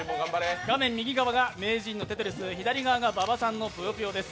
画面右側が名人の「テトリス」左側が馬場さんの「ぷよぷよ」です。